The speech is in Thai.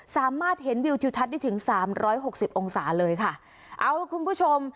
สามารถเห็นวิวทิวทัศน์ได้ถึงสามร้อยหกสิบองศาเลยค่ะเอาคุณผู้ชม